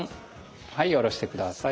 はい下ろしてください。